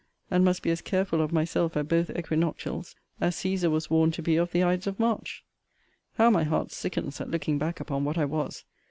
and must be as careful of myself at both equinoctials, as Cæsar was warned to be of the Ides of March. How my heart sickens at looking back upon what I was!